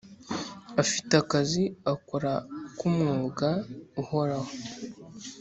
afite akazi akora nk’umwuga uhoraho